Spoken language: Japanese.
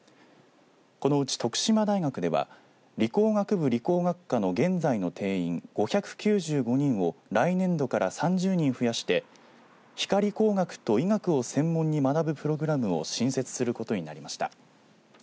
このうち徳島大学では理工学部理工学科の現在の定員５９５人を来年度から３０人増やして光工学と医学を専門に学ぶプログラムを新設することになりました。